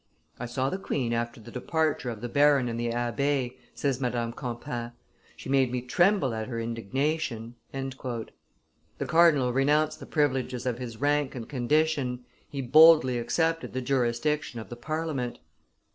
"I saw the queen after the departure of the baron and the abbe," says Madame Campan; "she made me tremble at her indignation." The cardinal renounced the privileges of his rank and condition; he boldly accepted the jurisdiction of the Parliament.